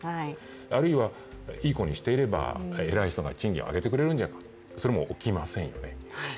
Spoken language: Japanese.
あるいは、いい子にしていれば、偉い人が賃金を上げてくれるんじゃないか、それも起きませんよね。